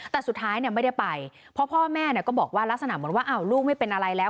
แต่สุดท้ายเนี่ยไม่ได้ไปเพราะพ่อแม่เนี่ยก็บอกว่าลักษณะเหมือนว่าอ้าวลูกไม่เป็นอะไรแล้ว